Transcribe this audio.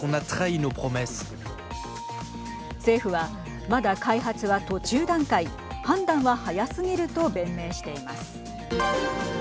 政府はまだ開発は途中段階判断は早すぎると弁明しています。